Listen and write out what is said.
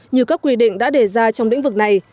như các quy định đã đề ra trong lĩnh vực này